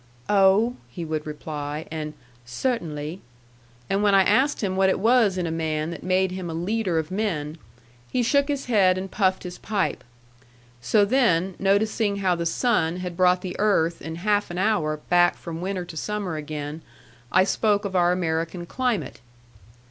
"Oh," he would reply, and "Cert'nly"; and when I asked him what it was in a man that made him a leader of men, he shook his head and puffed his pipe. So then, noticing how the sun had brought the earth in half an hour back from winter to summer again, I spoke of our American climate.